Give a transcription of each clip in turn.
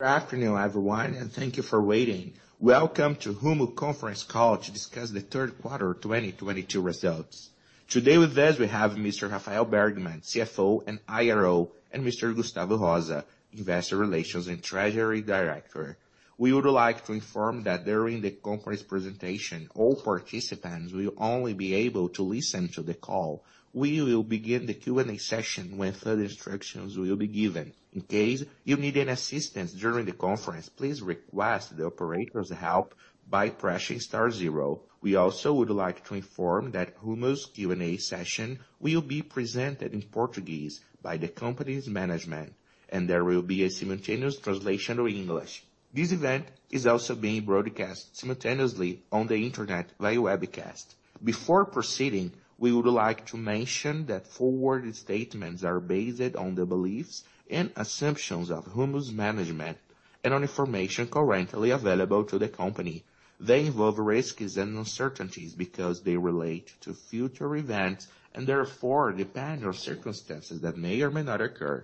Good afternoon, everyone, and thank you for waiting. Welcome to Rumo Conference Call to discuss the third quarter 2022 results. Today with us we have Mr. Rafael Bergman, CFO and IRO, and Mr. Gustavo da Rosa, Investor Relations and Treasury Director. We would like to inform that during the conference presentation, all participants will only be able to listen to the call. We will begin the Q&A session when further instructions will be given. In case you need any assistance during the conference, please request the operator's help by pressing star zero. We also would like to inform that Rumo's Q&A session will be presented in Portuguese by the company's management, and there will be a simultaneous translation to English. This event is also being broadcast simultaneously on the internet via webcast. Before proceeding, we would like to mention that forward-looking statements are based on the beliefs and assumptions of Rumo's management and on information currently available to the company. They involve risks and uncertainties because they relate to future events and therefore depend on circumstances that may or may not occur.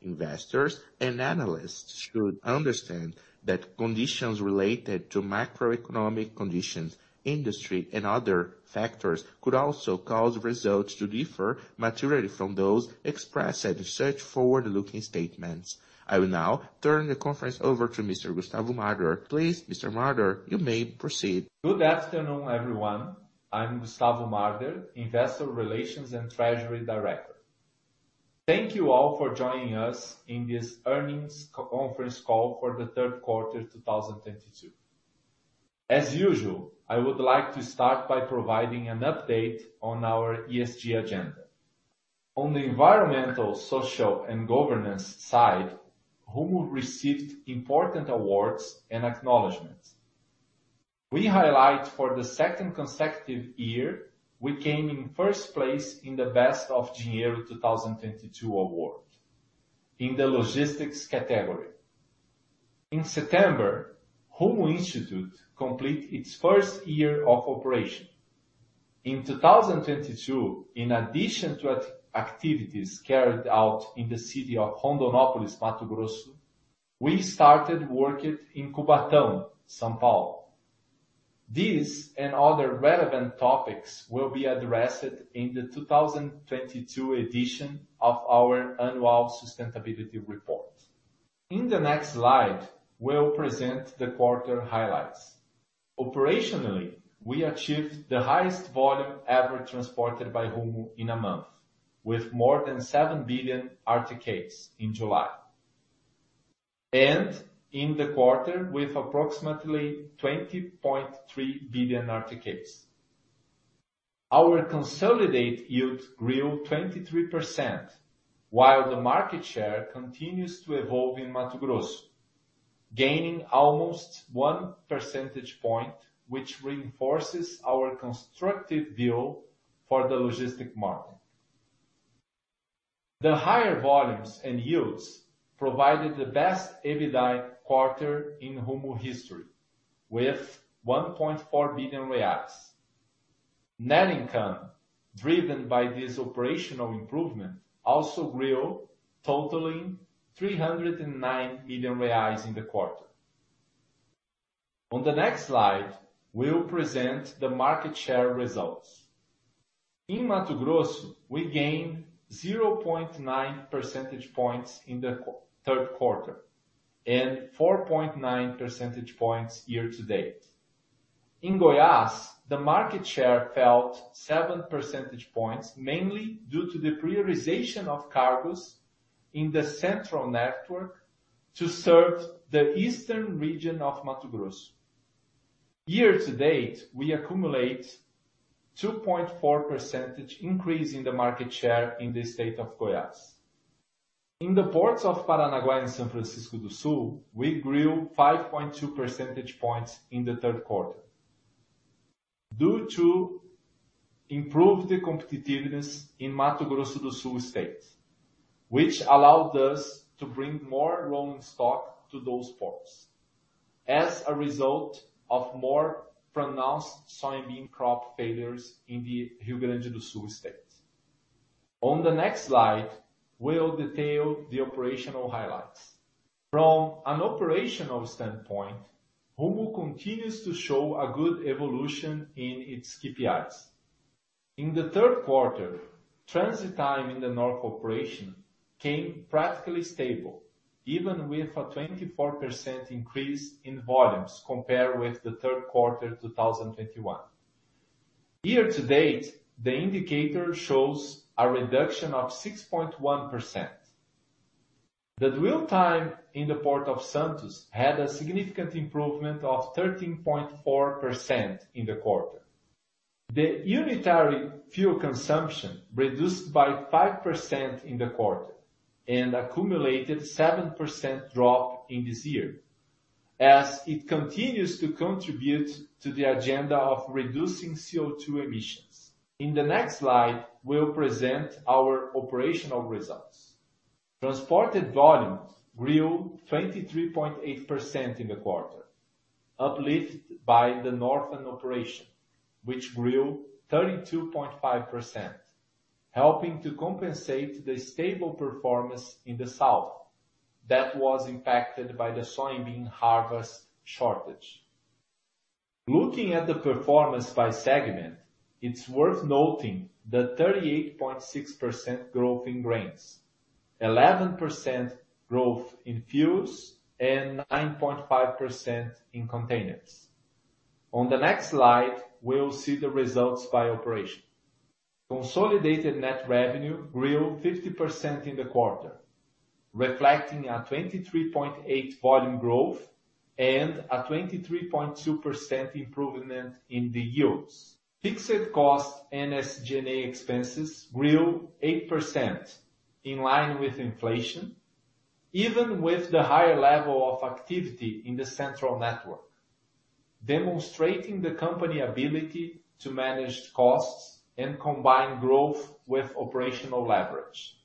Investors and analysts should understand that conditions related to macroeconomic conditions, industry, and other factors could also cause results to differ materially from those expressed in such forward-looking statements. I will now turn the conference over to Mr. Gustavo da Rosa. Please, Mr. da Rosa, you may proceed. Good afternoon, everyone. I'm Gustavo da Rosa, Investor Relations and Treasury Director. Thank you all for joining us in this earnings conference call for the third quarter 2022. As usual, I would like to start by providing an update on our ESG agenda. On the environmental, social, and governance side, Rumo received important awards and acknowledgments. We highlight for the second consecutive year, we came in first place in the As Melhores da Dinheiro 2022 award in the logistics category. In September, Rumo Institute complete its first year of operation. In 2022, in addition to activities carried out in the city of Rondonópolis, Mato Grosso, we started working in Cubatão, São Paulo. This and other relevant topics will be addressed in the 2022 edition of our annual sustainability report. In the next slide, we'll present the quarter highlights. Operationally, we achieved the highest volume ever transported by Rumo in a month, with more than 7 billion articles in July. In the quarter, with approximately 20.3 billion articles. Our consolidated yield grew 23%, while the market share continues to evolve in Mato Grosso, gaining almost 1 percentage point, which reinforces our constructive view for the logistics market. The higher volumes and yields provided the best EBITDA quarter in Rumo history with 1.4 billion. Net income, driven by this operational improvement, also grew totaling 309 million reais in the quarter. On the next slide, we'll present the market share results. In Mato Grosso, we gained 0.9 percentage points in the third quarter and 4.9 percentage points year-to-date. In Goiás, the market share fell seven percentage points, mainly due to the prioritization of cargoes in the central network to serve the eastern region of Mato Grosso. Year-to-date, we accumulate 2.4 percentage increase in the market share in the state of Goiás. In the ports of Paranaguá and São Francisco do Sul, we grew 5.2 percentage points in the third quarter due to improved the competitiveness in Mato Grosso do Sul state, which allowed us to bring more rolling stock to those ports as a result of more pronounced soybean crop failures in the Rio Grande do Sul state. On the next slide, we'll detail the operational highlights. From an operational standpoint, Rumo continues to show a good evolution in its KPIs. In the third quarter, transit time in the Northern Operation came practically stable, even with a 24% increase in volumes compared with the third quarter 2021. Year-to-date, the indicator shows a reduction of 6.1%. The dwell time in the Port of Santos had a significant improvement of 13.4% in the quarter. The unitary fuel consumption reduced by 5% in the quarter and accumulated 7% drop in this year as it continues to contribute to the agenda of reducing CO₂ emissions. In the next slide, we'll present our operational results. Transported volume grew 23.8% in the quarter, uplift by the Northern Operation, which grew 32.5%. Helping to compensate the stable performance in the Southern Operation that was impacted by the soybean harvest shortage. Looking at the performance by segment, it's worth noting the 38.6% growth in Grains, 11% growth in Fuels, and 9.5% in Containers. On the next slide, we'll see the results by operation. Consolidated net revenue grew 50% in the quarter, reflecting a 23.8 volume growth and a 23.2% improvement in the yields. Fixed cost and SG&A expenses grew 8% in line with inflation, even with the higher level of activity in the Central Network, demonstrating the company's ability to manage costs and combine growth with operational leverage.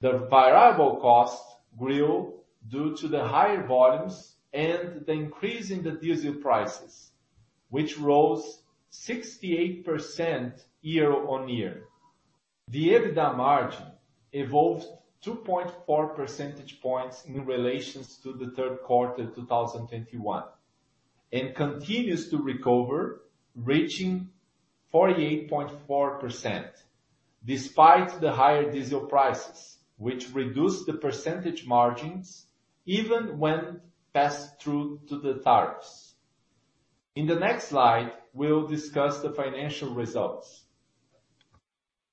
The variable cost grew due to the higher volumes and the increase in the diesel prices, which rose 68% year-on-year. The EBITDA margin evolved 2.4 percentage points in relation to the third quarter 2021, and continues to recover, reaching 48.4% despite the higher diesel prices, which reduced the percentage margins even when passed through to the tariffs. In the next slide, we'll discuss the financial results.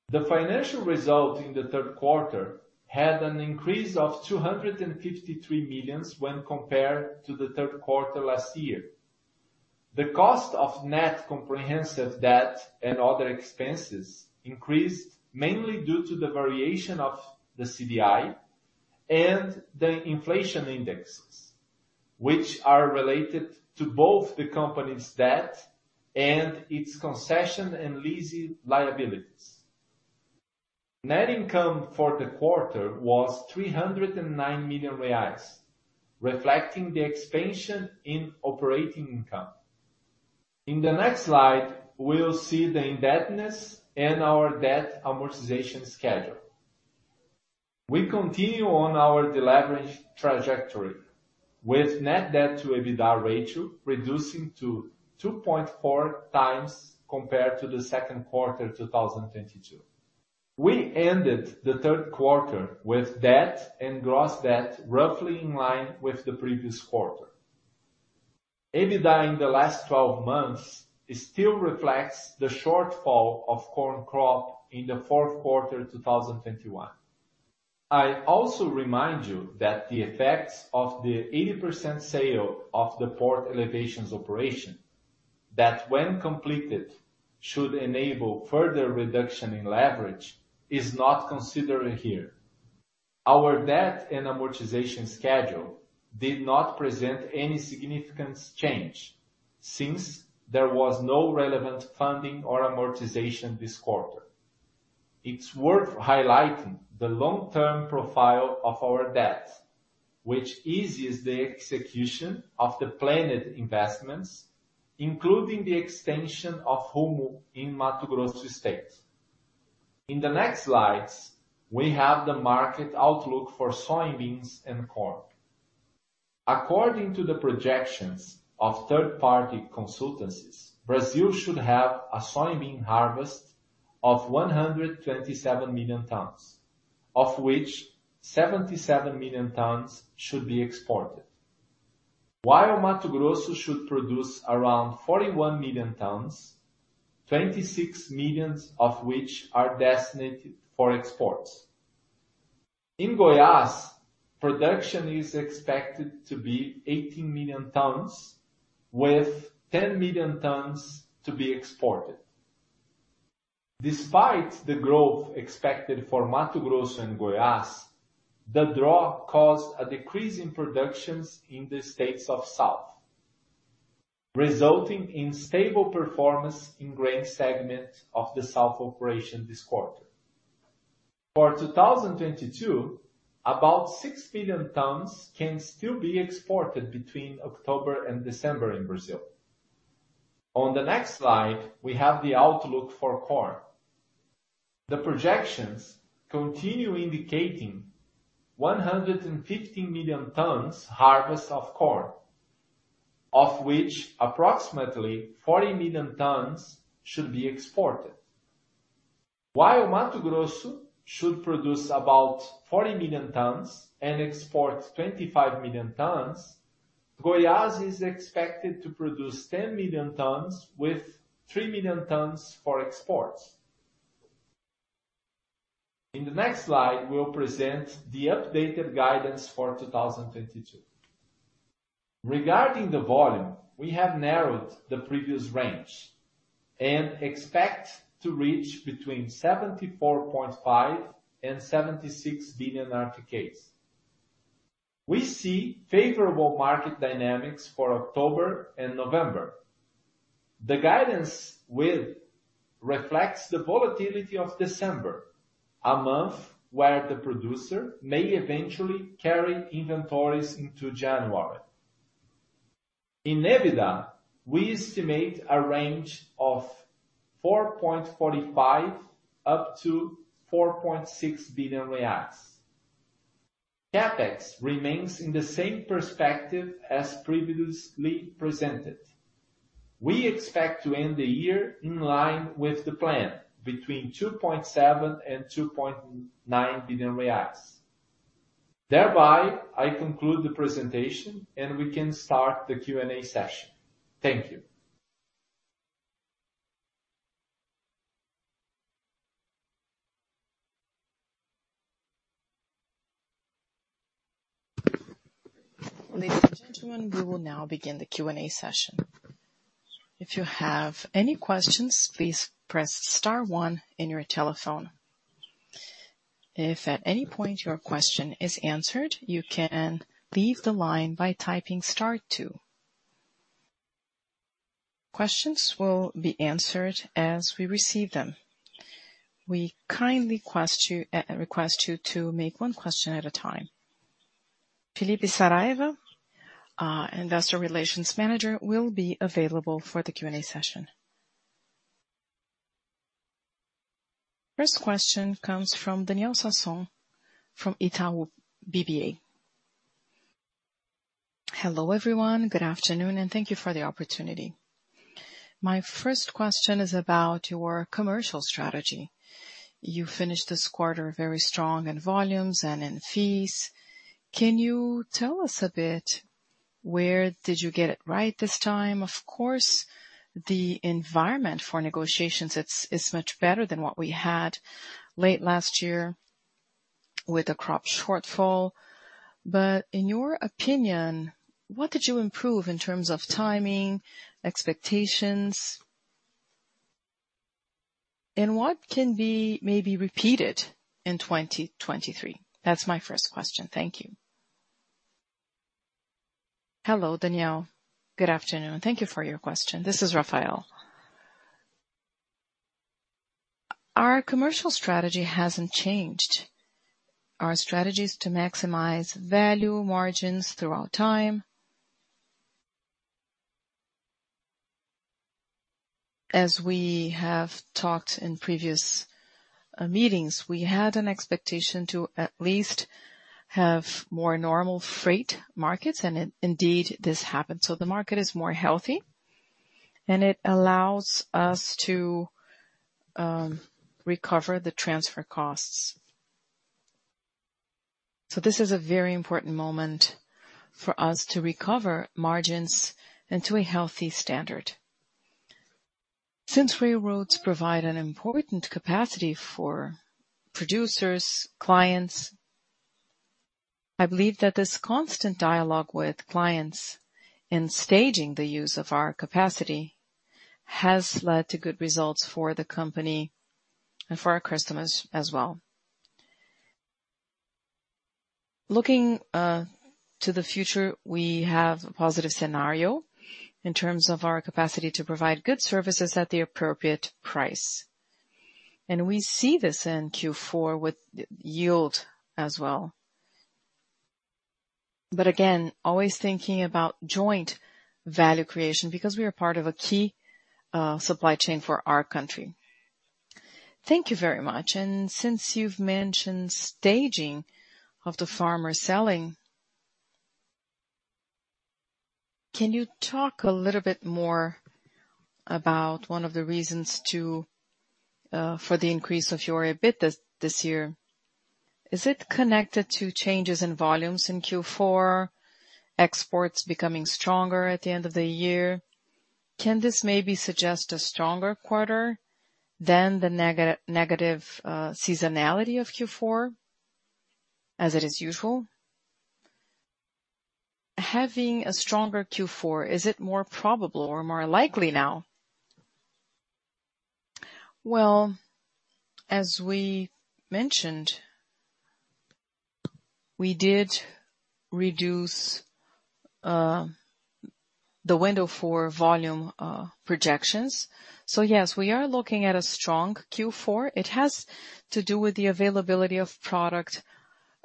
The financial result in the third quarter had an increase of 253 million when compared to the third quarter last year. The cost of net comprehensive debt and other expenses increased mainly due to the variation of the CDI and the inflation indexes, which are related to both the company's debt and its concession and leasing liabilities. Net income for the quarter was 309 million reais, reflecting the expansion in operating income. In the next slide, we'll see the indebtedness and our debt amortization schedule. We continue on our deleverage trajectory with net debt to EBITDA ratio reducing to 2.4x compared to the second quarter 2022. We ended the third quarter with debt and gross debt roughly in line with the previous quarter. EBITDA in the last 12 months still reflects the shortfall of corn crop in the fourth quarter 2021. I also remind you that the effects of the 80% sale of the Elevações Portuárias operation, that when completed, should enable further reduction in leverage, is not considered here. Our debt and amortization schedule did not present any significant change since there was no relevant funding or amortization this quarter. It's worth highlighting the long-term profile of our debt, which eases the execution of the planned investments, including the extension of Rumo in Mato Grosso state. In the next slides, we have the market outlook for soybeans and corn. According to the projections of third-party consultancies, Brazil should have a soybean harvest of 127 million tons, of which 77 million tons should be exported. While Mato Grosso should produce around 41 million tons, 26 million of which are designated for exports. In Goiás, production is expected to be 18 million tons, with 10 million tons to be exported. Despite the growth expected for Mato Grosso and Goiás, the drought caused a decrease in productions in the states of the South, resulting in stable performance in grain segment of the Southern Operation this quarter. For 2022, about 6 billion tons can still be exported between October and December in Brazil. On the next slide, we have the outlook for corn. The projections continue indicating 115 million tons harvest of corn, of which approximately 40 million tons should be exported. While Mato Grosso should produce about 40 million tons and export 25 million tons, Goiás is expected to produce 10 million tons with 3 million tons for exports. In the next slide, we'll present the updated guidance for 2022. Regarding the volume, we have narrowed the previous range and expect to reach between 74.5 and 76 billion RTKs. We see favorable market dynamics for October and November. The guidance which reflects the volatility of December, a month where the producer may eventually carry inventories into January. In EBITDA, we estimate a range of 4.45 billion-4.6 billion. CapEx remains in the same perspective as previously presented. We expect to end the year in line with the plan between 2.7 billion and 2.9 billion reais. Thereby, I conclude the presentation, and we can start the Q&A session. Thank you. Ladies and gentlemen, we will now begin the Q&A session. If you have any questions, please press star one in your telephone. If at any point your question is answered, you can leave the line by typing star two. Questions will be answered as we receive them. We kindly request you to make one question at a time. Felipe Saraiva, investor relations manager, will be available for the Q&A session. First question comes from Daniel Sasson, from Itaú BBA. Hello, everyone. Good afternoon, and thank you for the opportunity. My first question is about your commercial strategy. You finished this quarter very strong in volumes and in fees. Can you tell us a bit where did you get it right this time? Of course, the environment for negotiations it's much better than what we had late last year with the crop shortfall, but in your opinion, what did you improve in terms of timing, expectations? What can be maybe repeated in 2023? That's my first question. Thank you. Hello, Daniel. Good afternoon. Thank you for your question. This is Rafael. Our commercial strategy hasn't changed. Our strategy is to maximize value margins throughout time. As we have talked in previous meetings, we had an expectation to at least have more normal freight markets, and indeed, this happened. The market is more healthy, and it allows us to recover the transfer costs. This is a very important moment for us to recover margins into a healthy standard. Since railroads provide an important capacity for producers, clients, I believe that this constant dialogue with clients in staging the use of our capacity has led to good results for the company and for our customers as well. Looking to the future, we have a positive scenario in terms of our capacity to provide good services at the appropriate price. We see this in Q4 with yield as well. Again, always thinking about joint value creation because we are part of a key supply chain for our country. Thank you very much. Since you've mentioned staging of the farmer selling, can you talk a little bit more about one of the reasons for the increase of your EBIT this year? Is it connected to changes in volumes in Q4, exports becoming stronger at the end of the year? Can this maybe suggest a stronger quarter than the negative seasonality of Q4 as it is usual? Having a stronger Q4, is it more probable or more likely now? Well, as we mentioned, we did reduce the window for volume projections. Yes, we are looking at a strong Q4. It has to do with the availability of product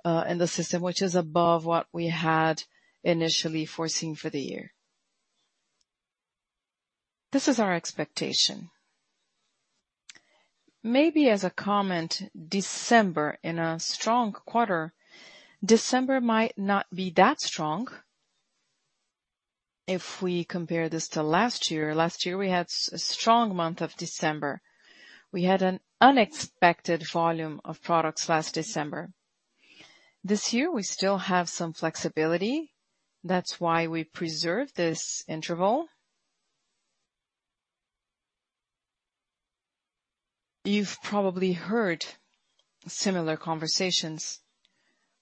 in the system, which is above what we had initially foreseen for the year. This is our expectation. Maybe as a comment, December in a strong quarter, December might not be that strong if we compare this to last year. Last year, we had a strong month of December. We had an unexpected volume of products last December. This year, we still have some flexibility. That's why we preserve this interval. You've probably heard similar conversations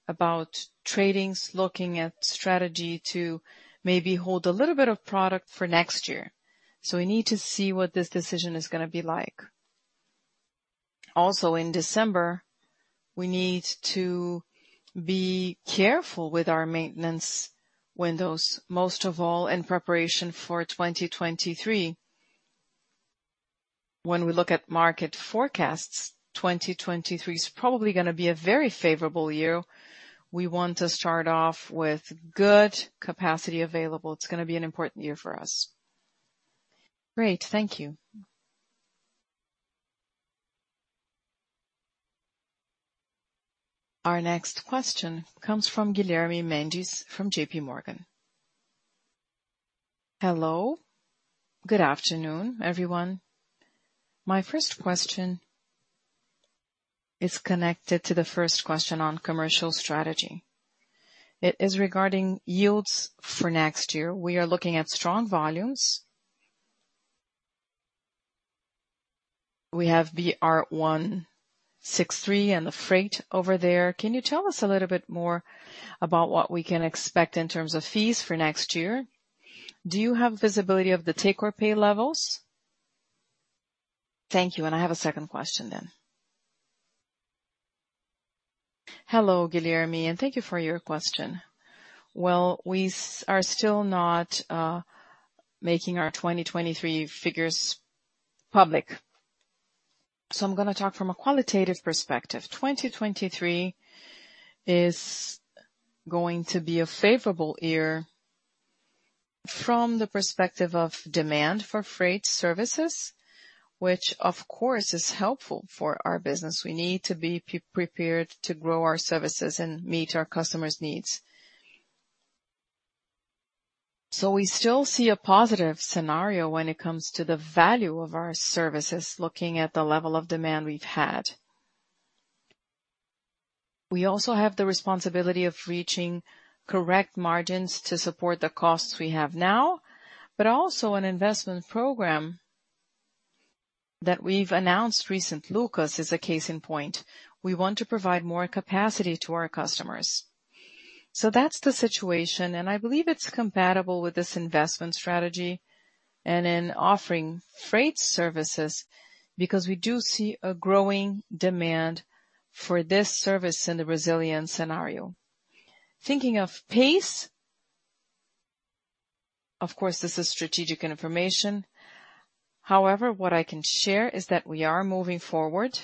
about traders looking at strategy to maybe hold a little bit of product for next year. We need to see what this decision is gonna be like. Also, in December, we need to be careful with our maintenance windows, most of all in preparation for 2023. When we look at market forecasts, 2023 is probably gonna be a very favorable year. We want to start off with good capacity available. It's gonna be an important year for us. Great. Thank you. Our next question comes from Guilherme Mendes from JPMorgan. Hello. Good afternoon, everyone. My first question is connected to the first question on commercial strategy. It is regarding yields for next year. We are looking at strong volumes. We have BR-163 and the freight over there. Can you tell us a little bit more about what we can expect in terms of fees for next year? Do you have visibility of the take-or-pay levels? Thank you. And I have a second question then. Hello, Guilherme, and thank you for your question. Well, we are still not making our 2023 figures public. So I'm gonna talk from a qualitative perspective. 2023 is going to be a favorable year from the perspective of demand for freight services, which of course is helpful for our business. We need to be prepared to grow our services and meet our customers' needs. We still see a positive scenario when it comes to the value of our services, looking at the level of demand we've had. We also have the responsibility of reaching correct margins to support the costs we have now, but also an investment program that we've announced recently. Lucas is a case in point. We want to provide more capacity to our customers. That's the situation, and I believe it's compatible with this investment strategy and in offering freight services because we do see a growing demand for this service in the Brazilian scenario. Thinking of pace, of course, this is strategic information. However, what I can share is that we are moving forward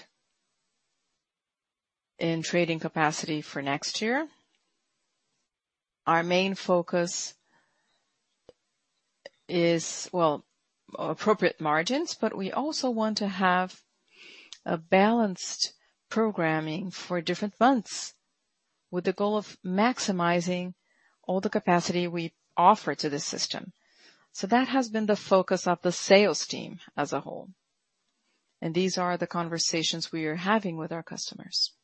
in adding capacity for next year. Our main focus is, well, appropriate margins, but we also want to have a balanced programming for different months, with the goal of maximizing all the capacity we offer to the system. That has been the focus of the sales team as a whole, and these are the conversations we are having with our customers.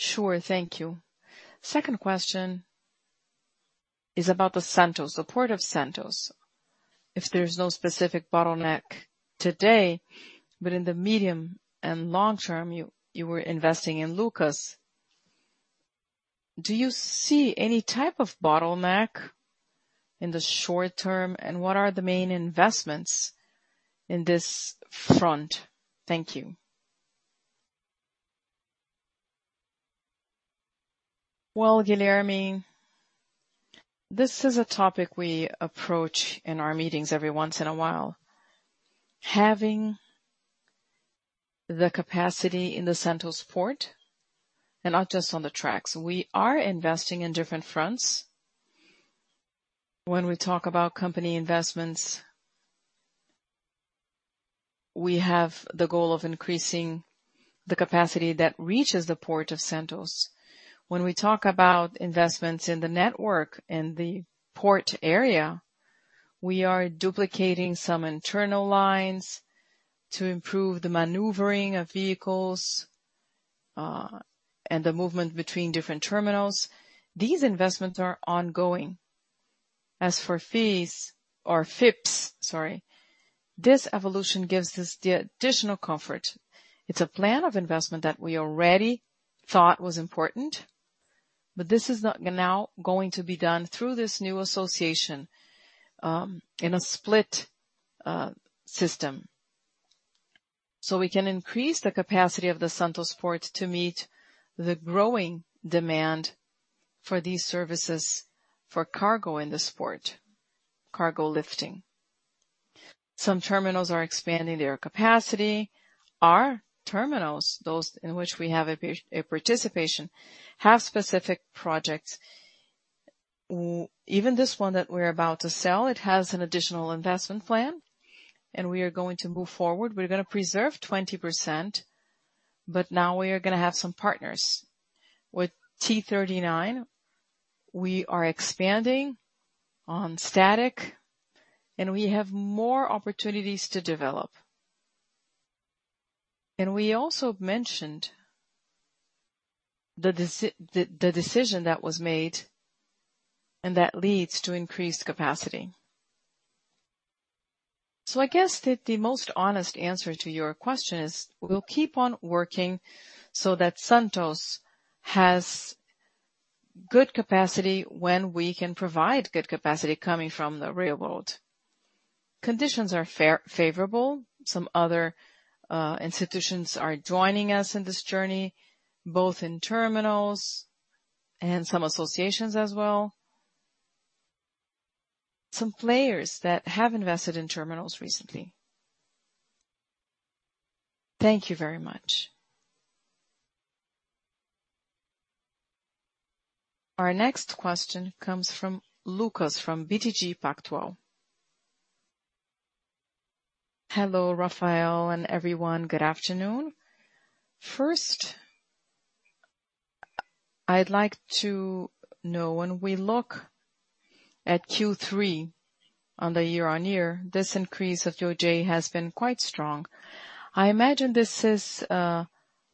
Sure. Thank you. Second question is about the Port of Santos. If there's no specific bottleneck today, but in the medium and long term, you were investing in logistics. Do you see any type of bottleneck in the short term, and what are the main investments in this front? Thank you. Well, Guilherme, this is a topic we approach in our meetings every once in a while. Having the capacity in the Port of Santos and not just on the tracks, we are investing in different fronts. When we talk about company investments, we have the goal of increasing the capacity that reaches the Port of Santos. When we talk about investments in the network, in the port area, we are duplicating some internal lines to improve the maneuvering of vehicles and the movement between different terminals. These investments are ongoing. As for fees or FIPS, sorry, this evolution gives us the additional comfort. It's a plan of investment that we already thought was important, but this is now going to be done through this new association in a split system. We can increase the capacity of the Santos Port to meet the growing demand for these services for cargo in this port, cargo lifting. Some terminals are expanding their capacity. Our terminals, those in which we have a participation, have specific projects. Even this one that we're about to sell, it has an additional investment plan, and we are going to move forward. We're gonna preserve 20%, but now we are gonna have some partners. With T39, we are expanding Santos, and we have more opportunities to develop. We also mentioned the decision that was made and that leads to increased capacity. I guess the most honest answer to your question is, we'll keep on working so that Santos has good capacity when we can provide good capacity coming from the railroad. Conditions are far more favorable. Some other institutions are joining us in this journey, both in terminals and some associations as well. Some players that have invested in terminals recently. Thank you very much. Our next question comes from Lucas from BTG Pactual. Hello, Rafael and everyone. Good afternoon. First, I'd like to know when we look at Q3 on the year-on-year, this increase of yield has been quite strong. I imagine this is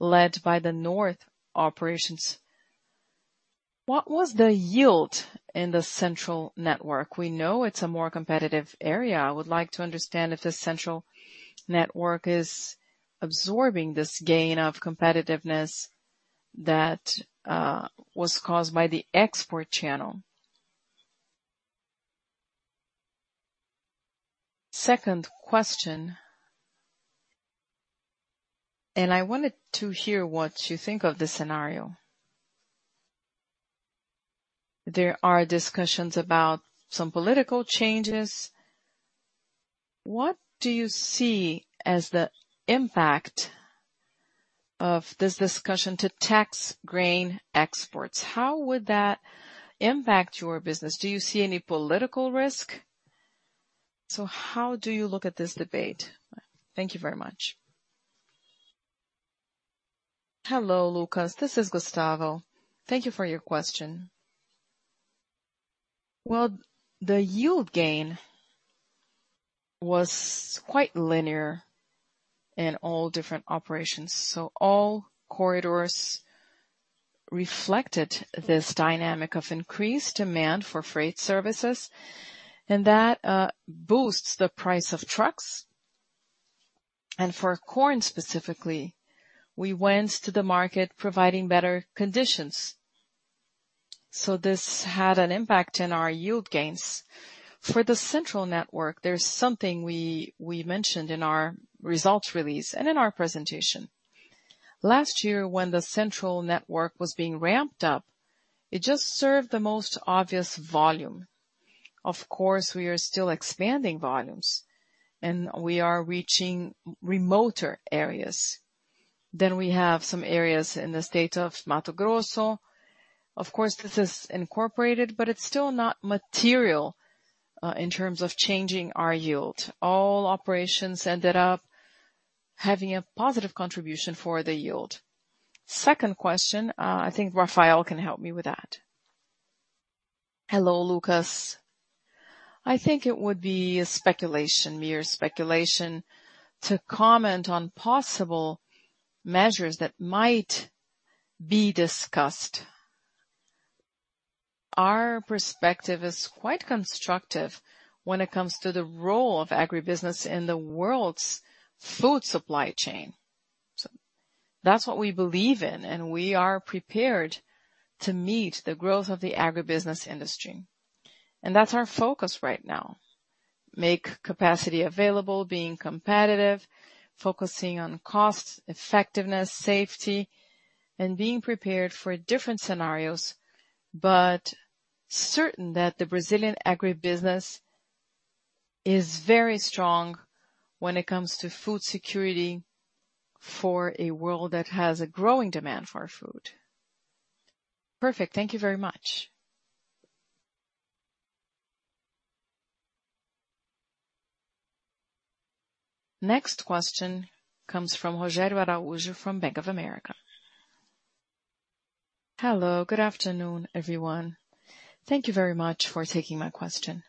led by the Northern Operation. What was the yield in the Central Network? We know it's a more competitive area. I would like to understand if the Central Network is absorbing this gain of competitiveness that was caused by the export channel. Second question, I wanted to hear what you think of this scenario. There are discussions about some political changes. What do you see as the impact of this discussion on taxing grain exports? How would that impact your business? Do you see any political risk? How do you look at this debate? Thank you very much. Hello, Lucas. This is Gustavo. Thank you for your question. Well, the yield gain was quite linear in all different operations. All corridors reflected this dynamic of increased demand for freight services, and that boosts the price of trucks. For corn, specifically, we went to the market providing better conditions. This had an impact in our yield gains. For the Central Network, there's something we mentioned in our results release and in our presentation. Last year, when the Central Network was being ramped up, it just served the most obvious volume. Of course, we are still expanding volumes, and we are reaching remoter areas. We have some areas in the state of Mato Grosso. Of course, this is incorporated, but it's still not material in terms of changing our yield. All operations ended up having a positive contribution for the yield. Second question, I think Rafael can help me with that. Hello, Lucas. I think it would be a speculation, mere speculation, to comment on possible measures that might be discussed. Our perspective is quite constructive when it comes to the role of agribusiness in the world's food supply chain. That's what we believe in, and we are prepared to meet the growth of the agribusiness industry. That's our focus right now. Make capacity available, being competitive, focusing on cost, effectiveness, safety, and being prepared for different scenarios, but certain that the Brazilian agribusiness is very strong when it comes to food security for a world that has a growing demand for our food. Perfect. Thank you very much. Next question comes from Rogério Araújo from Bank of America. Hello, good afternoon, everyone. Thank you very much for taking my question.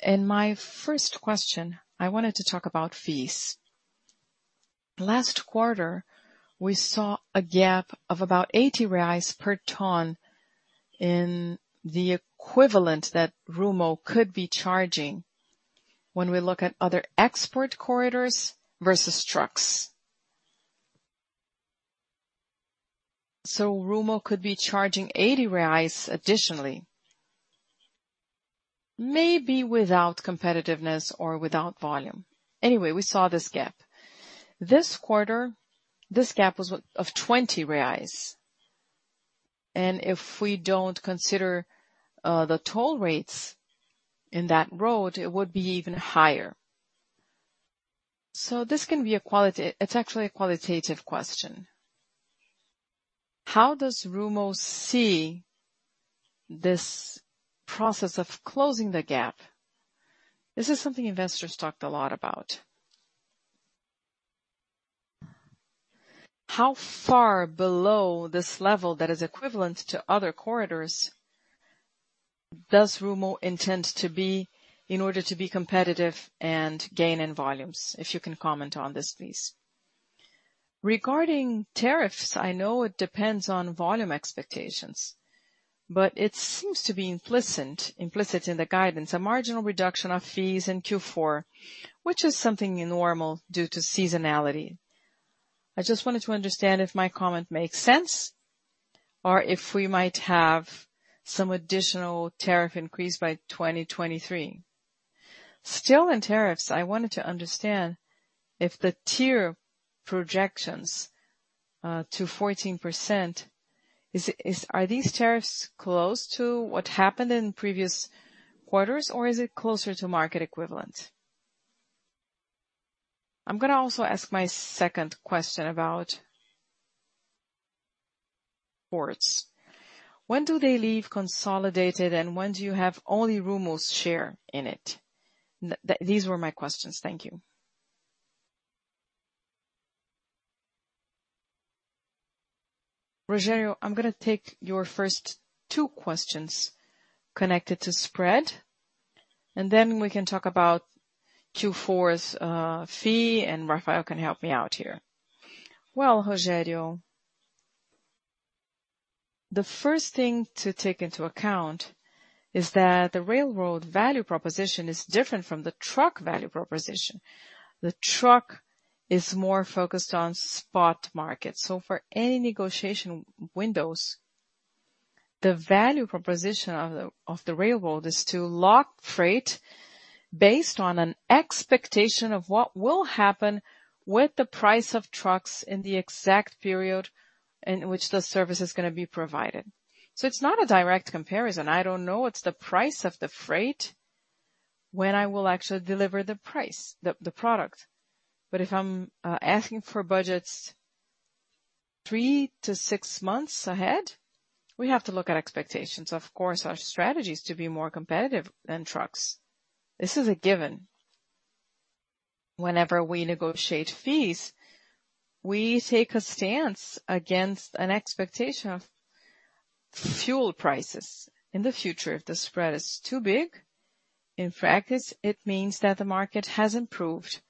In my first question, I wanted to talk about fees. Last quarter, we saw a gap of about 80 reais per ton in the equivalent that Rumo could be charging when we look at other export corridors versus trucks. Rumo could be charging 80 reais additionally, maybe without competitiveness or without volume. Anyway, we saw this gap. This quarter, this gap was 20 reais. If we don't consider the toll rates in that road, it would be even higher. This is actually a qualitative question. How does Rumo see this process of closing the gap? This is something investors talked a lot about. How far below this level that is equivalent to other corridors does Rumo intend to be in order to be competitive and gain in volumes? If you can comment on this, please. Regarding tariffs, I know it depends on volume expectations, but it seems to be implicit in the guidance, a marginal reduction of fees in Q4, which is something normal due to seasonality. I just wanted to understand if my comment makes sense or if we might have some additional tariff increase by 2023. Still in tariffs, I wanted to understand if the tier projections to 14% is. Are these tariffs close to what happened in previous quarters or is it closer to market equivalent? I'm gonna also ask my second question about ports. When do they leave consolidated and when do you have only Rumo's share in it? These were my questions. Thank you. Rogério, I'm gonna take your first two questions connected to spread, and then we can talk about Q4 fee, and Rafael can help me out here. Well, Rogério, the first thing to take into account is that the railroad value proposition is different from the truck value proposition. The truck is more focused on spot market. For any negotiation windows, the value proposition of the railroad is to lock freight based on an expectation of what will happen with the price of trucks in the exact period in which the service is gonna be provided. It's not a direct comparison. I don't know what's the price of the freight when I will actually deliver the price, the product. If I'm asking for budgets three to six months ahead, we have to look at expectations. Of course, our strategy is to be more competitive than trucks. This is a given. Whenever we negotiate fees, we take a stance against an expectation of fuel prices in the future. If the spread is too big, in practice, it means that the market has improved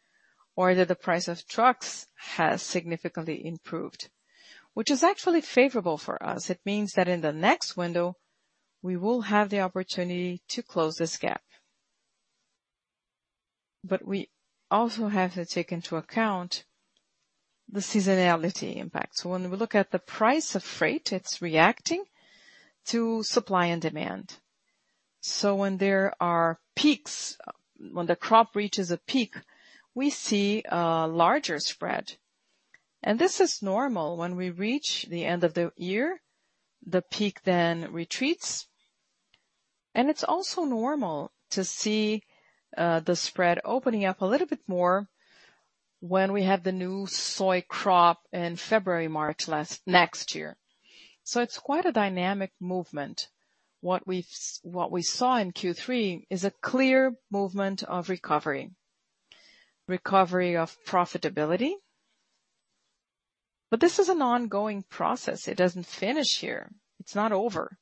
or that the price of trucks has significantly improved, which is actually favorable for us. It means that in the next window, we will have the opportunity to close this gap. We also have to take into account the seasonality impact. When we look at the price of freight, it's reacting to supply and demand. When there are peaks, when the crop reaches a peak, we see a larger spread. This is normal. When we reach the end of the year, the peak then retreats. It's also normal to see the spread opening up a little bit more when we have the new soy crop in February, March next year. It's quite a dynamic movement. What we saw in Q3 is a clear movement of recovery of profitability. This is an ongoing process. It doesn't finish here. It's not over.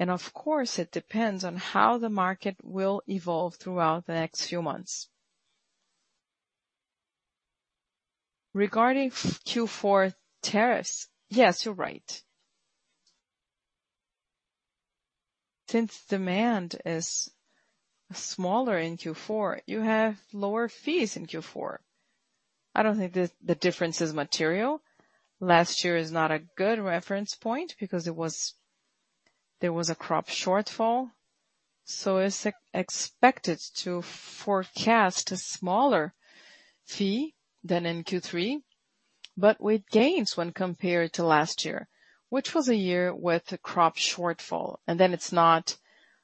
Of course, it depends on how the market will evolve throughout the next few months. Regarding Q4 tariffs, yes, you're right. Since demand is smaller in Q4, you have lower fees in Q4. I don't think the difference is material. Last year is not a good reference point because there was a crop shortfall. It's expected to forecast a smaller fee than in Q3, but with gains when compared to last year, which was a year with a crop shortfall, and then it's not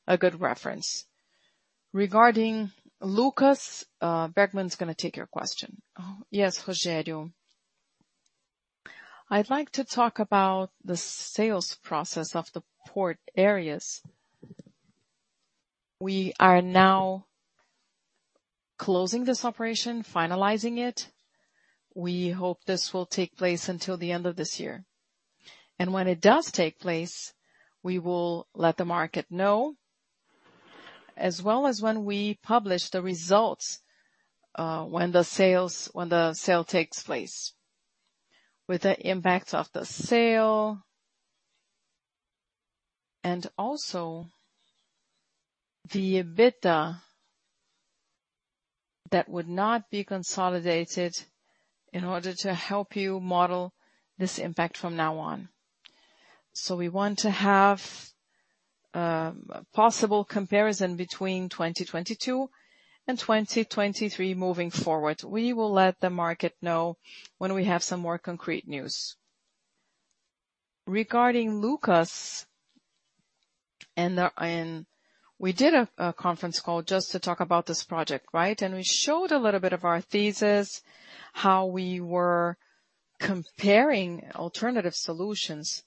a good reference. Regarding Lucas, Bergman's gonna take your question. Yes, Rogério. I'd like to talk about the sales process of the port areas. We are now closing this operation, finalizing it. We hope this will take place until the end of this year. When it does take place, we will let the market know, as well as when we publish the results, when the sale takes place, with the impact of the sale and also the EBITDA that would not be consolidated in order to help you model this impact from now on. We want to have possible comparison between 2022 and 2023 moving forward. We will let the market know when we have some more concrete news. Regarding Lucas and we did a conference call just to talk about this project, right? We showed a little bit of our thesis, how we were comparing alternative solutions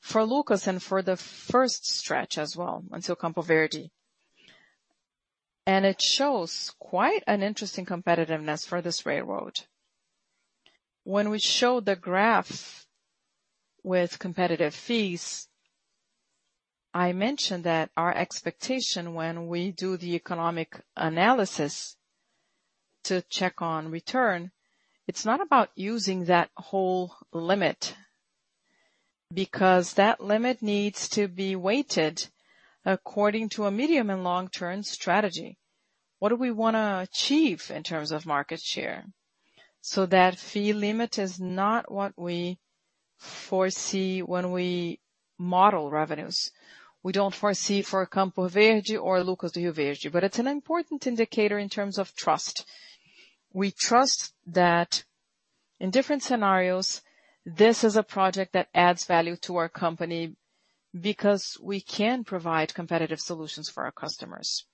for Lucas and for the first stretch as well until Campo Verde. It shows quite an interesting competitiveness for this railroad. When we showed the graph with competitive fees, I mentioned that our expectation when we do the economic analysis to check on return, it's not about using that whole limit, because that limit needs to be weighted according to a medium and long-term strategy. What do we wanna achieve in terms of market share? That fee limit is not what we foresee when we model revenues. We don't foresee for Campo Verde or Lucas do Rio Verde. It's an important indicator in terms of trust. We trust that in different scenarios, this is a project that adds value to our company because we can provide competitive solutions for our customers.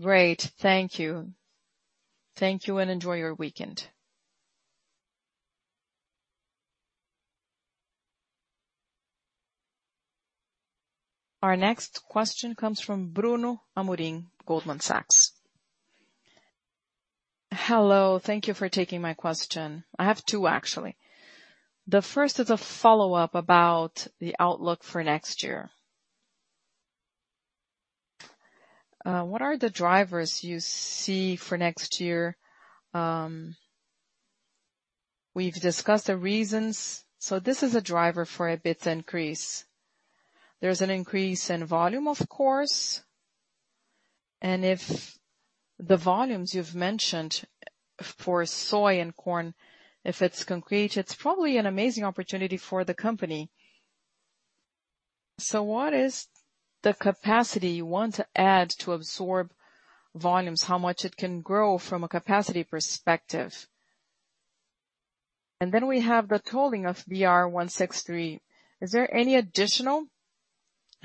Great. Thank you. Thank you, and enjoy your weekend. Our next question comes from Bruno Amorim, Goldman Sachs. Hello. Thank you for taking my question. I have two, actually. The first is a follow-up about the outlook for next year. What are the drivers you see for next year? We've discussed the reasons. This is a driver for an EBITDA increase. There's an increase in volume, of course, and if the volumes you've mentioned for soy and corn, if it's concrete, it's probably an amazing opportunity for the company. What is the capacity you want to add to absorb volumes? How much it can grow from a capacity perspective? Then we have the tolling of BR-163. Is there any additional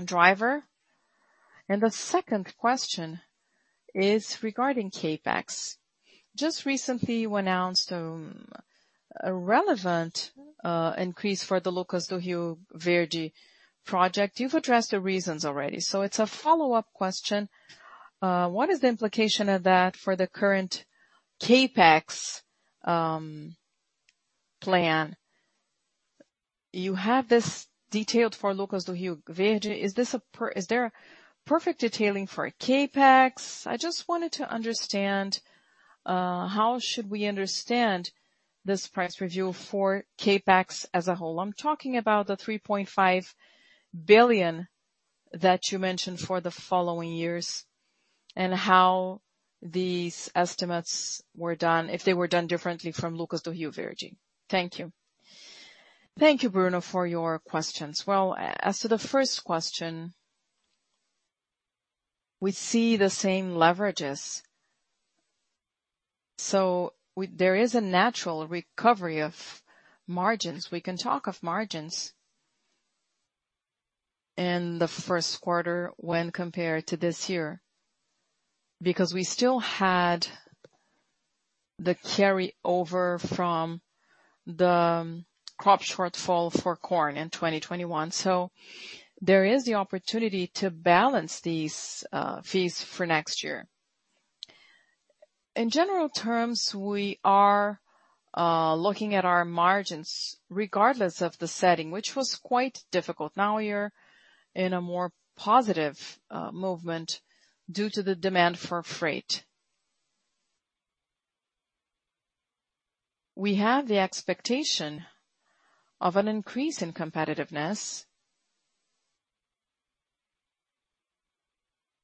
driver? The second question is regarding CapEx. Just recently, you announced a relevant increase for the Lucas do Rio Verde project. You've addressed the reasons already, so it's a follow-up question. What is the implication of that for the current CapEx plan? You have this detailed for Lucas do Rio Verde. Is there a perfect detailing for CapEx? I just wanted to understand how should we understand this price review for CapEx as a whole? I'm talking about the 3.5 billion that you mentioned for the following years and how these estimates were done, if they were done differently from Lucas do Rio Verde. Thank you. Thank you, Bruno, for your questions. Well, as to the first question, we see the same leverages. There is a natural recovery of margins. We can talk of margins in the first quarter when compared to this year, because we still had the carryover from the crop shortfall for corn in 2021. There is the opportunity to balance these fees for next year. In general terms, we are looking at our margins regardless of the setting, which was quite difficult. Now we're in a more positive movement due to the demand for freight. We have the expectation of an increase in competitiveness.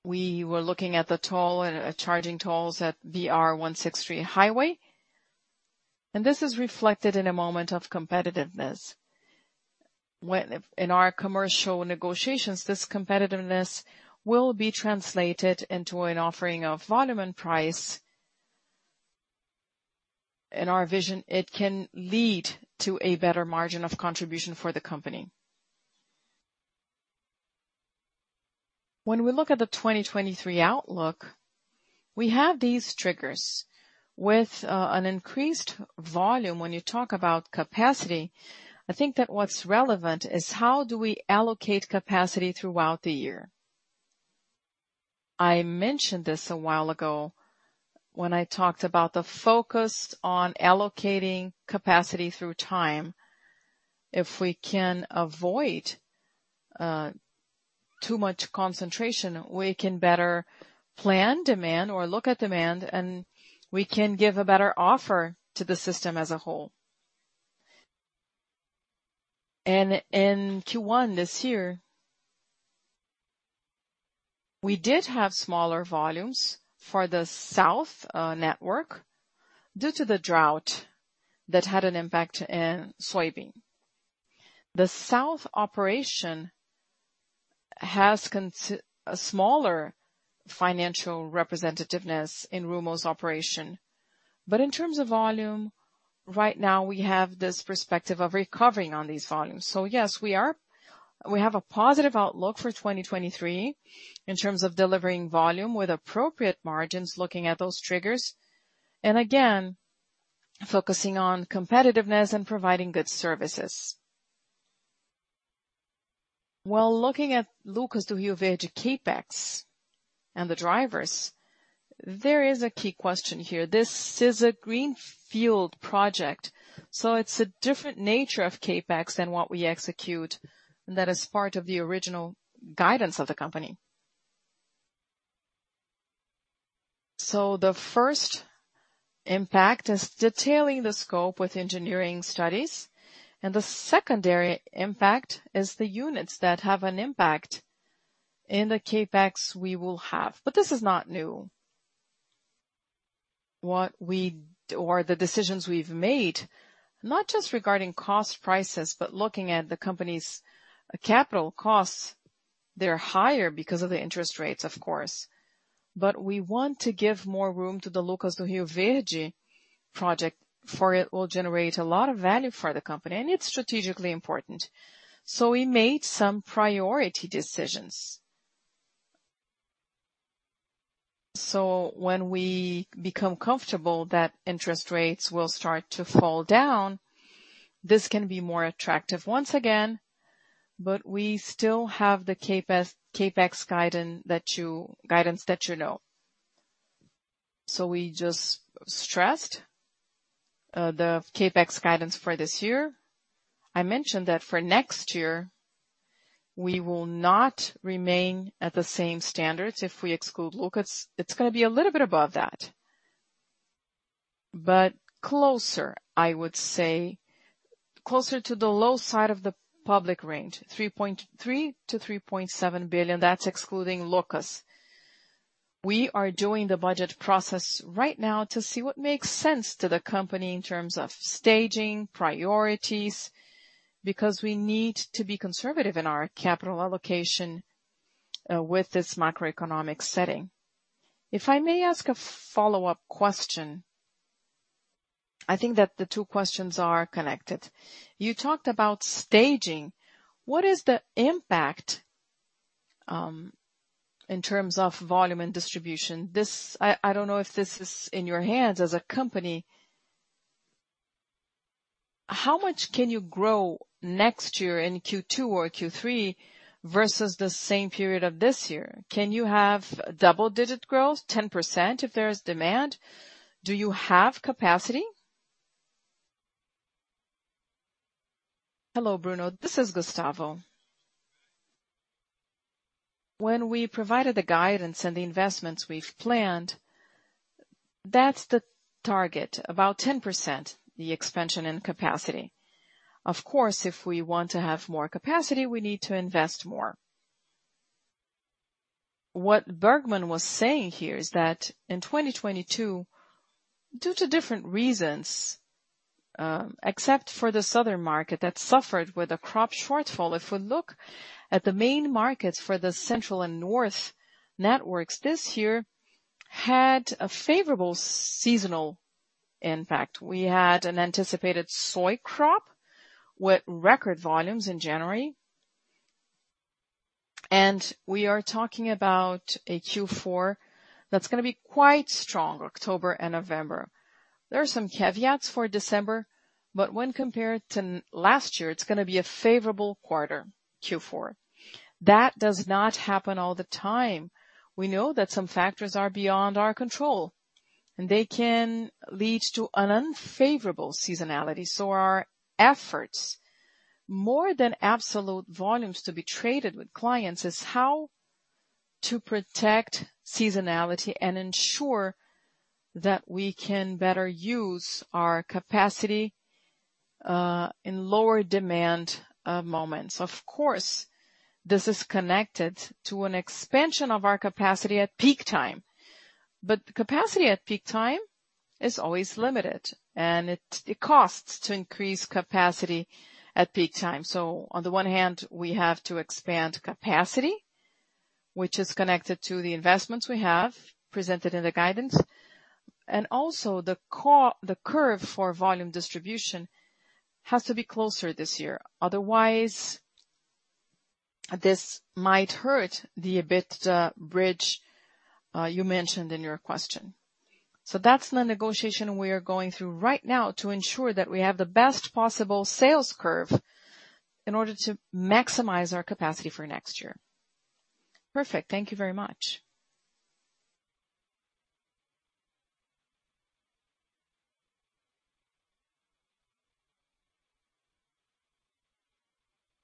We were looking at the toll charging tolls at BR-163 highway, and this is reflected in a moment of competitiveness. In our commercial negotiations, this competitiveness will be translated into an offering of volume and price. In our vision, it can lead to a better margin of contribution for the company. When we look at the 2023 outlook, we have these triggers. With an increased volume, when you talk about capacity, I think that what's relevant is how do we allocate capacity throughout the year. I mentioned this a while ago when I talked about the focus on allocating capacity through time. If we can avoid too much concentration, we can better plan demand or look at demand, and we can give a better offer to the system as a whole. In Q1 this year, we did have smaller volumes for the south network due to the drought that had an impact in soybean. The south operation has a smaller financial representativeness in Rumo's operation. In terms of volume, right now we have this perspective of recovering on these volumes. Yes, we have a positive outlook for 2023 in terms of delivering volume with appropriate margins, looking at those triggers, and again, focusing on competitiveness and providing good services. While looking at Lucas do Rio Verde CapEx and the drivers, there is a key question here. This is a greenfield project, so it's a different nature of CapEx than what we execute that is part of the original guidance of the company. The first impact is detailing the scope with engineering studies, and the secondary impact is the units that have an impact in the CapEx we will have. This is not new. The decisions we've made, not just regarding cost prices, but looking at the company's capital costs. They're higher because of the interest rates, of course. We want to give more room to the Lucas do Rio Verde project, for it will generate a lot of value for the company, and it's strategically important. We made some priority decisions. When we become comfortable that interest rates will start to fall down, this can be more attractive once again, but we still have the CapEx guidance that you know. We just stressed the CapEx guidance for this year. I mentioned that for next year, we will not remain at the same standards if we exclude Lucas. It's gonna be a little bit above that. But closer, I would say, closer to the low side of the public range, 3.3 billion-3.7 billion. That's excluding Lucas. We are doing the budget process right now to see what makes sense to the company in terms of staging, priorities, because we need to be conservative in our capital allocation with this macroeconomic setting. If I may ask a follow-up question, I think that the two questions are connected. You talked about staging. What is the impact in terms of volume and distribution? This, I don't know if this is in your hands as a company. How much can you grow next year in Q2 or Q3 versus the same period of this year? Can you have double-digit growth, 10% if there is demand? Do you have capacity? Hello, Bruno. This is Gustavo. When we provided the guidance and the investments we've planned, that's the target, about 10%, the expansion and capacity. Of course, if we want to have more capacity, we need to invest more. What Bergman was saying here is that in 2022, due to different reasons, except for the southern market that suffered with a crop shortfall, if we look at the main markets for the central and north networks this year had a favorable seasonal impact. We had an anticipated soy crop with record volumes in January. We are talking about a Q4 that's gonna be quite strong, October and November. There are some caveats for December, but when compared to last year, it's gonna be a favorable quarter, Q4. That does not happen all the time. We know that some factors are beyond our control, and they can lead to an unfavorable seasonality. Our efforts, more than absolute volumes to be traded with clients, is how to protect seasonality and ensure that we can better use our capacity in lower demand moments. Of course, this is connected to an expansion of our capacity at peak time. Capacity at peak time is always limited, and it costs to increase capacity at peak time. On the one hand, we have to expand capacity, which is connected to the investments we have presented in the guidance. Also the curve for volume distribution has to be closer this year. Otherwise, this might hurt the EBITDA bridge you mentioned in your question. That's the negotiation we are going through right now to ensure that we have the best possible sales curve in order to maximize our capacity for next year. Perfect. Thank you very much.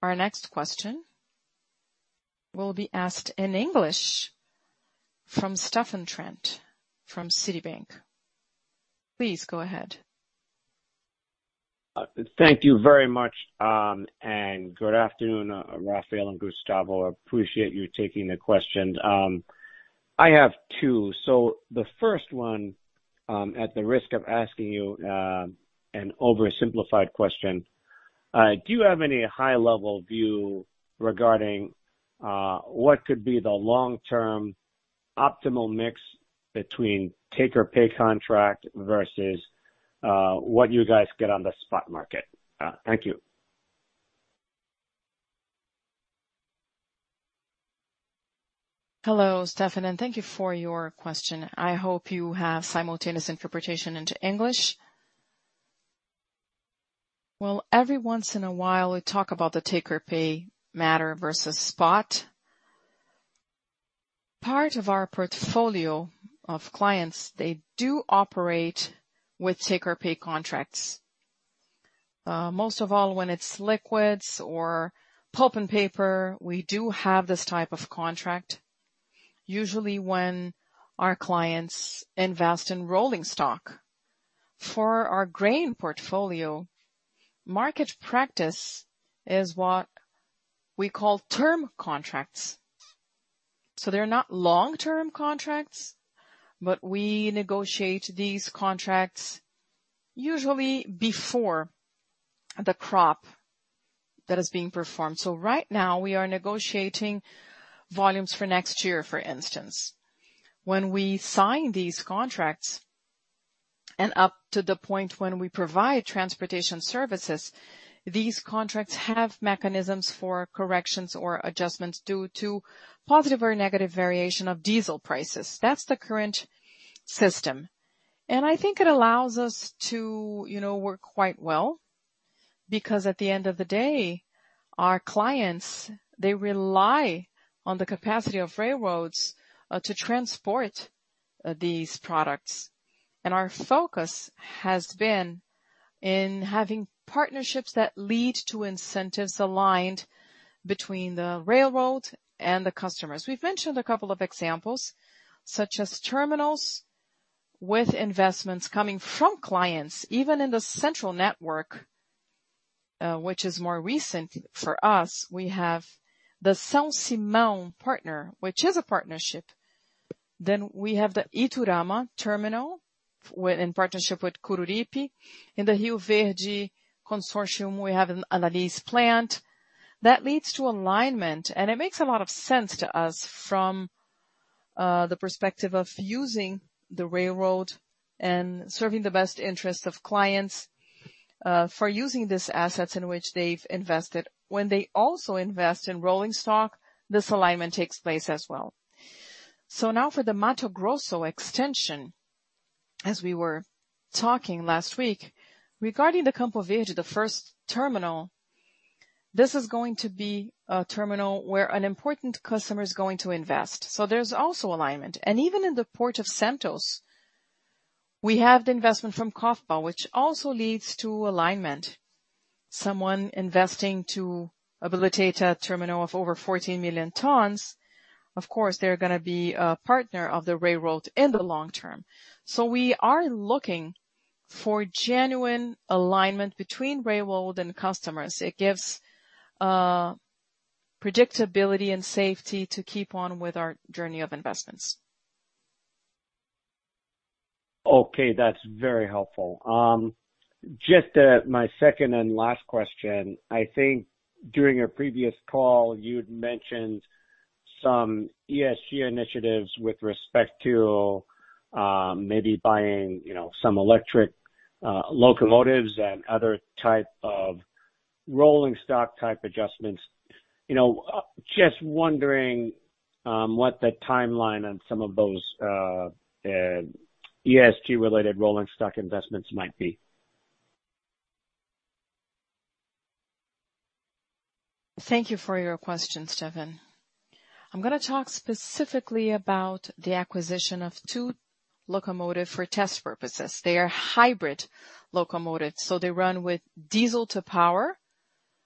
Our next question will be asked in English from Stephen Trent from Citibank. Please go ahead. Thank you very much, and good afternoon, Rafael and Gustavo. I appreciate you taking the questions. I have two. The first one, at the risk of asking you, an oversimplified question, do you have any high-level view regarding, what could be the long-term optimal mix between take-or-pay contract versus, what you guys get on the spot market? Thank you. Hello, Stephen, and thank you for your question. I hope you have simultaneous interpretation into English. Well, every once in a while, we talk about the take-or-pay matter versus spot. Part of our portfolio of clients, they do operate with take-or-pay contracts. Most of all, when it's liquids or pulp and paper, we do have this type of contract, usually when our clients invest in rolling stock. For our grain portfolio, market practice is what we call term contracts. They're not long-term contracts, but we negotiate these contracts usually before the crop that is being performed. Right now we are negotiating volumes for next year, for instance. When we sign these contracts and up to the point when we provide transportation services, these contracts have mechanisms for corrections or adjustments due to positive or negative variation of diesel prices. That's the current system, and I think it allows us to, you know, work quite well because at the end of the day, our clients, they rely on the capacity of railroads to transport these products. Our focus has been in having partnerships that lead to incentives aligned between the railroad and the customers. We've mentioned a couple of examples, such as terminals with investments coming from clients, even in the Central Network, which is more recent for us. We have the São Simão partnership, which is a partnership. We have the Iturama terminal in partnership with Coruripe. In the Rio Verde consortium, we have an Inpasa plant. That leads to alignment, and it makes a lot of sense to us from the perspective of using the railroad and serving the best interests of clients for using these assets in which they've invested. When they also invest in rolling stock, this alignment takes place as well. Now for the Mato Grosso extension, as we were talking last week, regarding the Campo Verde, the first terminal, this is going to be a terminal where an important customer is going to invest. There's also alignment. Even in the Port of Santos, we have the investment from COFCO, which also leads to alignment. Someone investing to habilitate a terminal of over 14 million tons, of course, they're gonna be a partner of the railroad in the long term. We are looking for genuine alignment between railroad and customers. It gives predictability and safety to keep on with our journey of investments. Okay, that's very helpful. Just, my second and last question. I think during a previous call, you'd mentioned some ESG initiatives with respect to, maybe buying, you know, some electric, locomotives and other type of rolling stock adjustments. You know, just wondering, what the timeline on some of those, ESG-related rolling stock investments might be. Thank you for your question, Steven. I'm gonna talk specifically about the acquisition of two locomotives for test purposes. They are hybrid locomotives, so they run with diesel to power,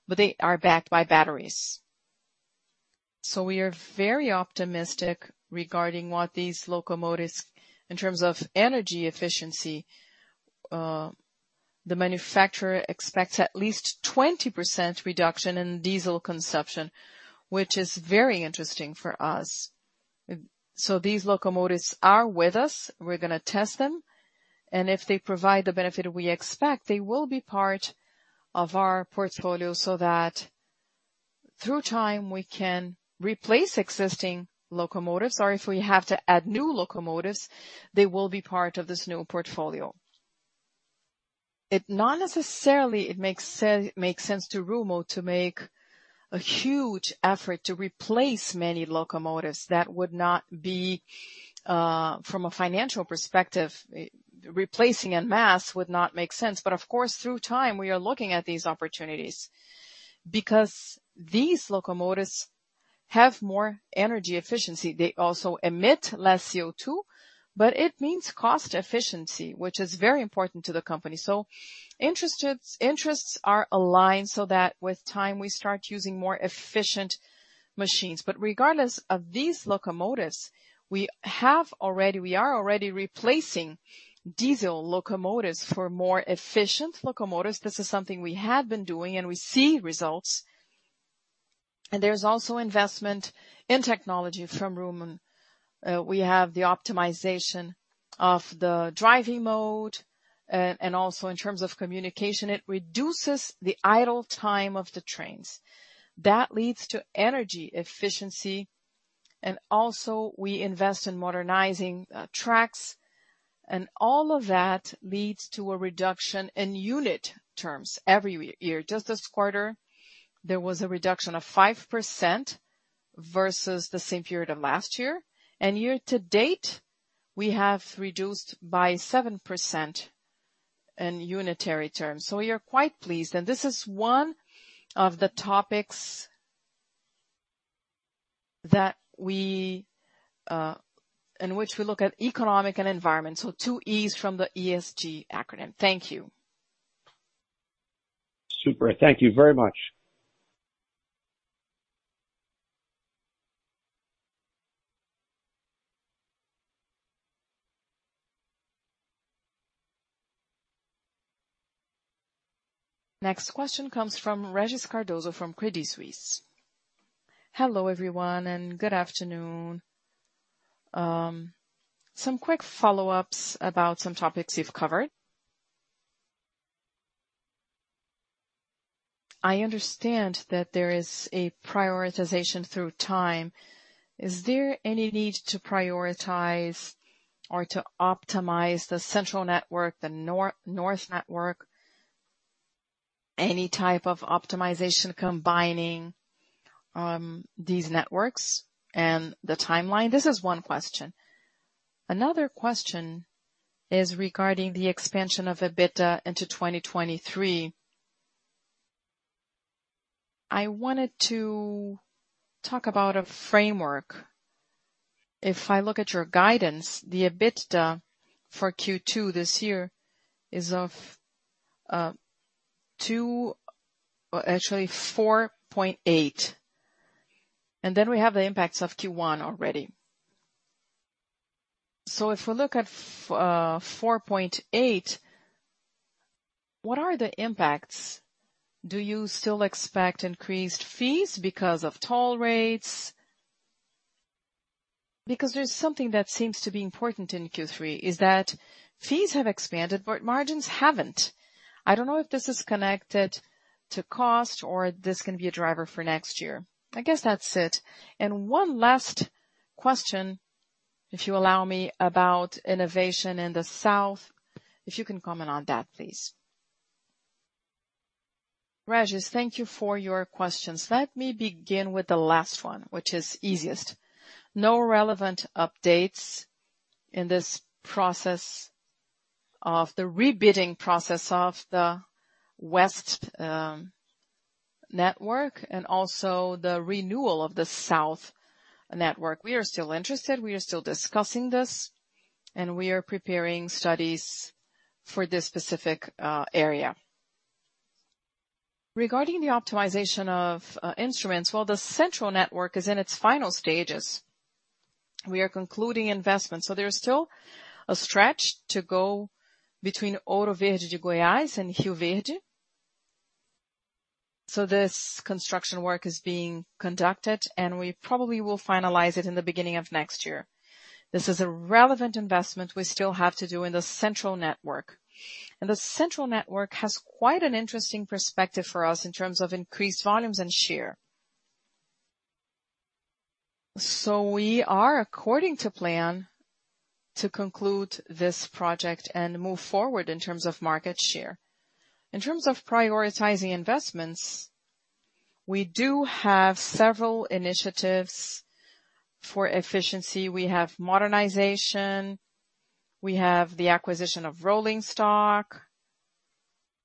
but they are backed by batteries. We are very optimistic regarding with these locomotives in terms of energy efficiency. The manufacturer expects at least 20% reduction in diesel consumption, which is very interesting for us. These locomotives are with us. We're gonna test them, and if they provide the benefit we expect, they will be part of our portfolio so that through time, we can replace existing locomotives. If we have to add new locomotives, they will be part of this new portfolio. It does not necessarily make sense to Rumo to make a huge effort to replace many locomotives. That would not be, from a financial perspective, replacing en masse would not make sense. Of course, through time, we are looking at these opportunities because these locomotives have more energy efficiency. They also emit less CO₂, but it means cost efficiency, which is very important to the company. Interests are aligned so that with time, we start using more efficient machines. Regardless of these locomotives, we are already replacing diesel locomotives for more efficient locomotives. This is something we have been doing, and we see results. There's also investment in technology from Rumo. We have the optimization of the driving mode, and also in terms of communication. It reduces the idle time of the trains. That leads to energy efficiency. We invest in modernizing tracks, and all of that leads to a reduction in unit terms every year. Just this quarter, there was a reduction of 5% versus the same period of last year. Year to date, we have reduced by 7% in unitary terms. We are quite pleased, and this is one of the topics that we in which we look at economic and environment. Two E's from the ESG acronym. Thank you. Super. Thank you very much. Next question comes from Régis Cardoso from Credit Suisse. Hello everyone, and good afternoon. Some quick follow-ups about some topics you've covered. I understand that there is a prioritization through time. Is there any need to prioritize or to optimize the central network, the Northern network? Any type of optimization combining these networks and the timeline? This is one question. Another question is regarding the expansion of EBITDA into 2023. I wanted to talk about a framework. If I look at your guidance, the EBITDA for Q2 this year is of 4.8, and then we have the impacts of Q1 already. If we look at 4.8, what are the impacts? Do you still expect increased fees because of toll rates? Because there's something that seems to be important in Q3, is that fees have expanded, but margins haven't. I don't know if this is connected to cost or this can be a driver for next year. I guess that's it. One last question, if you allow me, about the auction in the south, if you can comment on that, please. Régis, thank you for your questions. Let me begin with the last one, which is easiest. No relevant updates in this process of the rebidding process of the West Network and also the renewal of the South Network. We are still interested. We are still discussing this, and we are preparing studies for this specific area. Regarding the optimization of investments, well, the Central Network is in its final stages. We are concluding investments. There is still a stretch to go between Ouro Verde and Goiás and Rio Verde. This construction work is being conducted, and we probably will finalize it in the beginning of next year. This is a relevant investment we still have to do in the central network. The central network has quite an interesting perspective for us in terms of increased volumes and share. We are according to plan to conclude this project and move forward in terms of market share. In terms of prioritizing investments, we do have several initiatives for efficiency. We have modernization, we have the acquisition of rolling stock.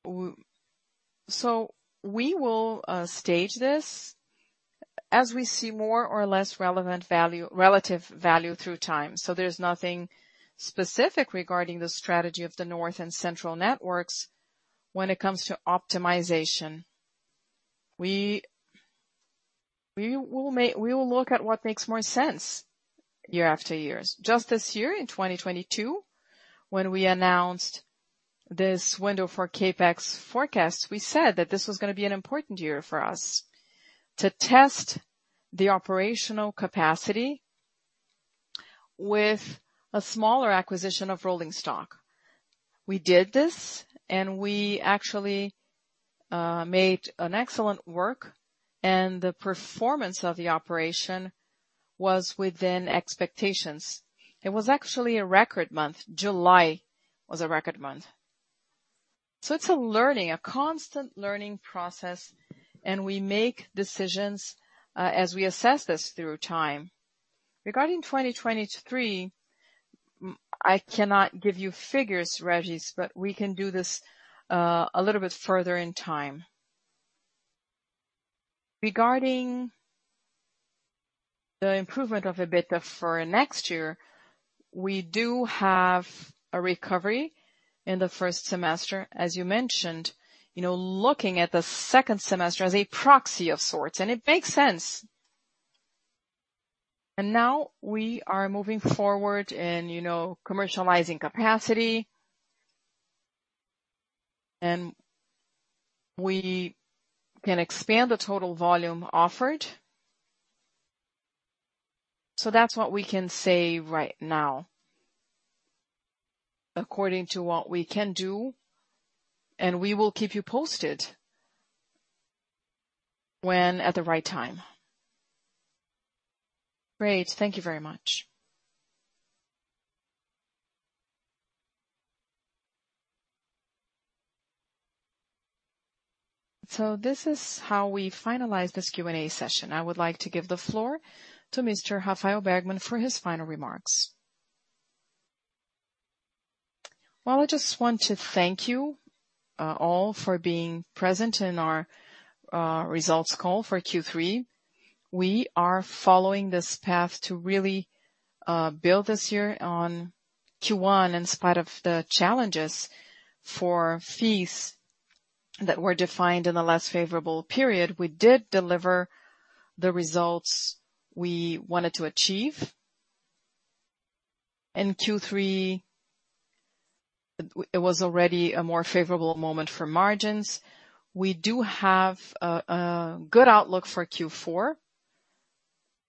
We will stage this as we see more or less relevant relative value through time. There's nothing specific regarding the strategy of the north and central networks when it comes to optimization. We will look at what makes more sense year after years. Just this year in 2022, when we announced this window for CapEx forecast, we said that this was gonna be an important year for us to test the operational capacity with a smaller acquisition of rolling stock. We did this, and we actually made an excellent work, and the performance of the operation was within expectations. It was actually a record month. July was a record month. It's a learning, a constant learning process, and we make decisions as we assess this through time. Regarding 2023, I cannot give you figures, Régis, but we can do this a little bit further in time. Regarding the improvement of EBITDA for next year, we do have a recovery in the first semester, as you mentioned, you know, looking at the second semester as a proxy of sorts, and it makes sense. Now we are moving forward and, you know, commercializing capacity. We can expand the total volume offered. That's what we can say right now according to what we can do, and we will keep you posted when at the right time. Great. Thank you very much. This is how we finalize this Q&A session. I would like to give the floor to Mr. Rafael Bergman for his final remarks. Well, I just want to thank you all for being present in our results call for Q3. We are following this path to really build this year on Q1. In spite of the challenges for fees that were defined in a less favorable period, we did deliver the results we wanted to achieve. In Q3, it was already a more favorable moment for margins. We do have a good outlook for Q4,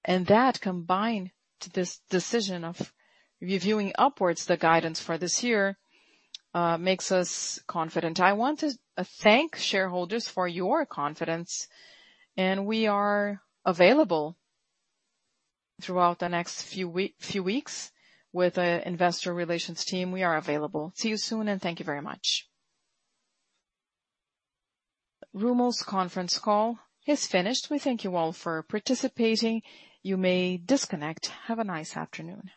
and that, combined to this decision of reviewing upwards the guidance for this year, makes us confident. I want to thank shareholders for your confidence, and we are available throughout the next few weeks with the investor relations team. We are available. See you soon, and thank you very much. Rumo's conference call is finished. We thank you all for participating. You may disconnect. Have a nice afternoon.